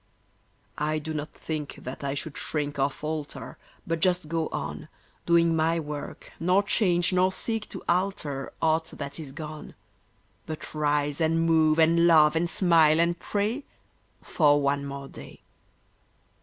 I do not think that I should shrink or falter, But just go on, Doing my work, nor change, nor seek to alter Aught that is gone; But rise and move and love and smile and pray For one more day.